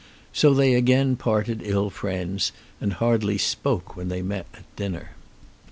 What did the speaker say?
So they again parted ill friends, and hardly spoke when they met at dinner.